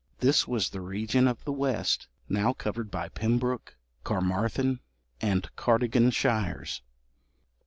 This was the region on the west, now covered by Pembroke, Carmarthen, and Cardigan shires.